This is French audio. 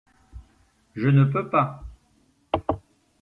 Je ne peux pas.